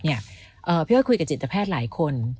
พี่อ้อยคุยกับจิตแพทย์หลายคน